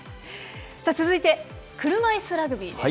続いて、車いすラグビーです。